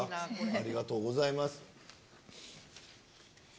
ありがとうございます。